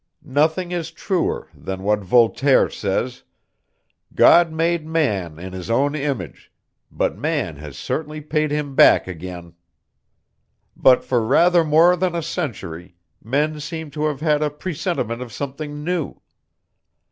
Nothing is truer than what Voltaire says: 'God made man in His own image, but man has certainly paid Him back again.' "But for rather more than a century, men seem to have had a presentiment of something new.